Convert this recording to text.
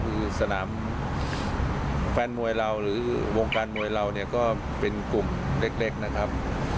คือสนามแฟนมวยเราหรือวงการมวยเราเนี่ยก็เป็นกลุ่มเล็กนะครับ